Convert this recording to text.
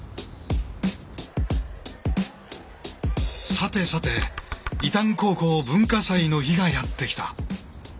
さてさて伊旦高校文化祭の日がやって来た。